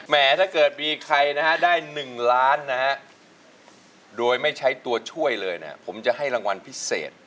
ถ้าเกิดมีใครนะฮะได้๑ล้านนะฮะโดยไม่ใช้ตัวช่วยเลยนะผมจะให้รางวัลพิเศษ